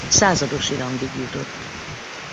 Századosi rangig jutott.